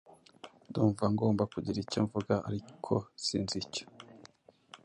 Ndumva ngomba kugira icyo mvuga, ariko sinzi icyo.